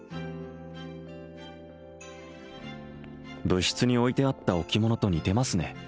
部室に置いてあった置物と似てますね